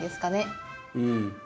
うん。